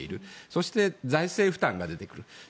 そして、財政負担が出てくる。